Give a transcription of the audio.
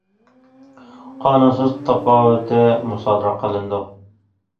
قانۇنسىز تاپاۋىتى مۇسادىرە قىلىنىدۇ.